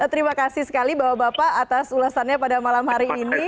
terima kasih sekali bapak bapak atas ulasannya pada malam hari ini